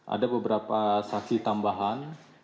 ada beberapa saksi tambahan